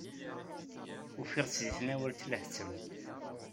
Ufiɣ-tt deg tenwalt la tettru.